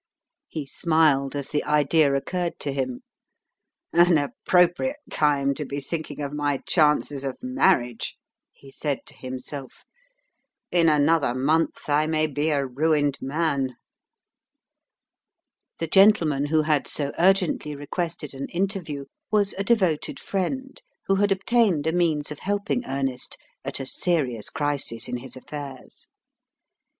He smiled as the idea occurred to him. "An appropriate time to be thinking of my chances of marriage!" he said to himself. "In another month I may be a ruined man." The gentleman who had so urgently requested an interview was a devoted friend, who had obtained a means of helping Ernest at a serious crisis in his affairs.